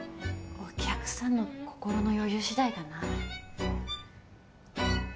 お客さんの心の余裕次第かな。